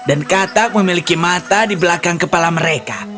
dan katak memiliki mata di belakang kepala mereka